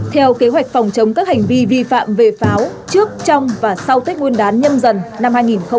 theo kế hoạch phòng chống các hành vi vi phạm về pháo trước trong và sau tết nguyên đán nhâm dần năm hai nghìn hai mươi